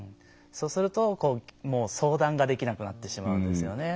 そうすると相談ができなくなってしまうんですよね。